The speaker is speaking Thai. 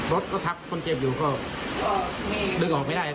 รถก็ทับคนเจ็บอยู่ก็ดึงออกไม่ได้